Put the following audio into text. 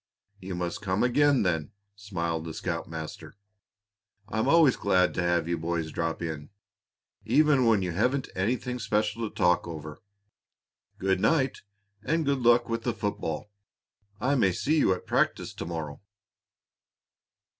"You must come again, then," smiled the scoutmaster. "I'm always glad to have you boys drop in, even when you haven't anything special to talk over. Good night; and good luck with the football. I may see you at practice to morrow."